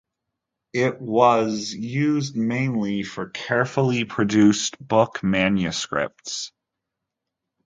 It was used mainly for carefully produced book manuscripts.